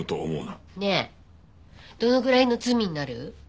ねえどのぐらいの罪になる？